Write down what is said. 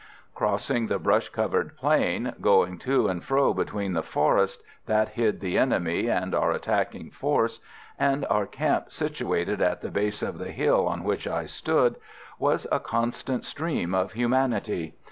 Crossing the brush covered plain, going to and fro between the forest that hid the enemy and our attacking force and our camp situated at the base of the hill on which I stood, was a constant stream of humanity.